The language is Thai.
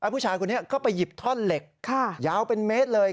ผู้ชายคนนี้ก็ไปหยิบท่อนเหล็กยาวเป็นเมตรเลย